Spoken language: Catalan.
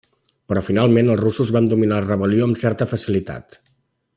Però finalment els russos van dominar la rebel·lió amb certa facilitat.